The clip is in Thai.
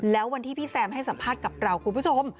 แล้ววันที่พี่แซมให้สัมภาษณ์กับเราคุณผู้ชม